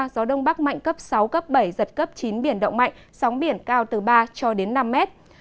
gió đông bắc mạnh cấp sáu cấp bảy giật cấp chín biển động mạnh sóng biển cao từ ba cho đến năm mét